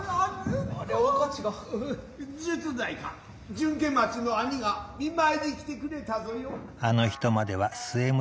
順慶町の兄が見舞に来て呉れたぞよ。